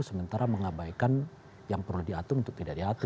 sementara mengabaikan yang perlu diatur untuk tidak diatur